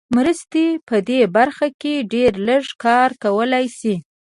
مرستې په دې برخه کې ډېر لږ کار کولای شي.